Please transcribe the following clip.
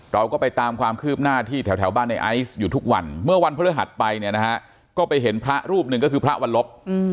เราก็ไปตามความคืบหน้าที่แถวบ้านในไอซ์อยู่ทุกวันเมื่อวันพฤหัสไปเนี่ยนะฮะก็ไปเห็นพระรูปหนึ่งก็คือพระวันลบ